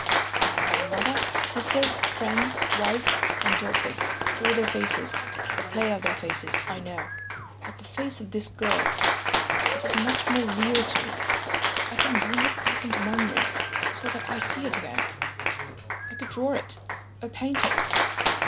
I have had mother, sisters, friends, wife and daughters—all their faces, the play of their faces, I know. But the face of this girl—it is much more real to me. I can bring it back into memory so that I see it again—I could draw it or paint it.